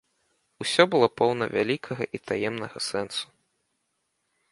Усё было поўна вялікага і таемнага сэнсу.